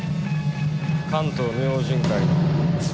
関東明神会の渡だ。